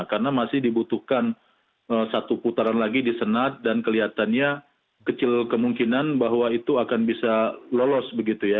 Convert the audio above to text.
karena masih dibutuhkan satu putaran lagi di senat dan kelihatannya kecil kemungkinan bahwa itu akan bisa lolos begitu ya